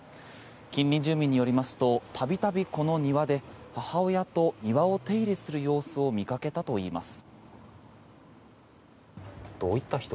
近隣住民によりますと度々、この庭で母親と庭を手入れする様子を見かけたといいます。